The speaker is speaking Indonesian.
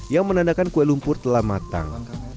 yang menandakan kue lumpur telah matang